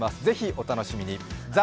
是非お楽しみに。